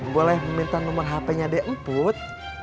boleh meminta nomor hp nya di input